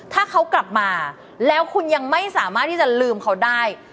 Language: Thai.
ถ้าเขากลับมาแล้วคุณยังไม่สามารถที่จะลืมเขาได้